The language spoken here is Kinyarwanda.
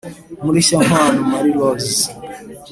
Mureshyankwano Marie Rose